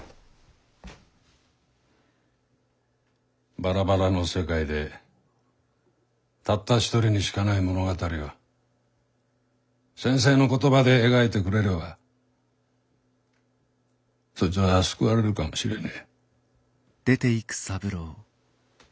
バラバラの世界でたった一人にしかない物語を先生の言葉で描いてくれればそいつは救われるかもしれねえ。